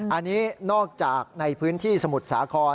อันนี้นอกจากในพื้นที่สมุทรสาคร